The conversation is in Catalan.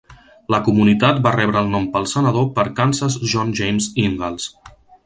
La comunitat va rebre el nom pel senador per Kansas John James Ingalls.